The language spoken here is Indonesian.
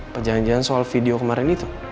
apa jangan jangan soal video kemarin itu